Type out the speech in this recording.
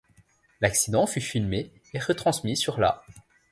L'accident fut filmé et retransmis sur la '.